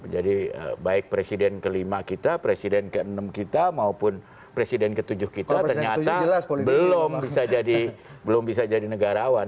jadi baik presiden ke lima kita presiden ke enam kita maupun presiden ke tujuh kita ternyata belum bisa jadi negarawan